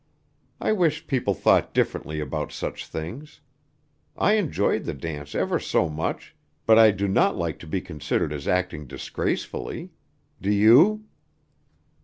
I wish people thought differently about such things. I enjoyed the dance ever so much, but I do not like to be considered as acting disgracefully. Do you?"